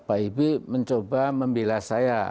pak harto mencoba membilas saya